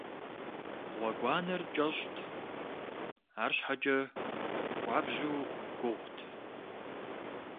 Гъуэгуанэр кӏэщӏт, арщхьэкӏэ хуабжьу гугъут.